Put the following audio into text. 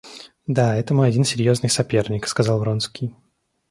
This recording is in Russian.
Да, это мой один серьезный соперник, — сказал Вронский.